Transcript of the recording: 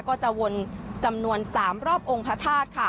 ก็จะวนจำนวน๓รอบองค์พระธาตุค่ะ